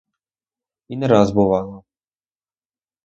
І не раз бувало!